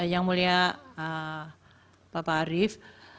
yang mulia bapak arief